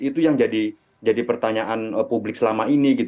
itu yang jadi pertanyaan publik selama ini